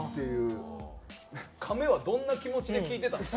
カメはどんな気持ちで聞いてた。